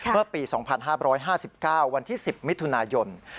เมื่อปี๒๕๕๙วันที่๑๐มิถุนายน